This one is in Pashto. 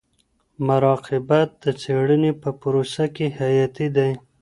مراقبت د څيړني په پروسه کي حیاتي دی.